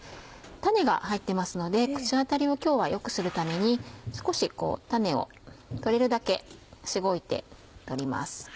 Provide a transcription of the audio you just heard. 種が入ってますので口当たりを今日は良くするために少しこう種を取れるだけしごいて取ります。